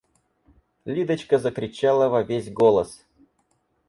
Лидочка закричала во весь голос.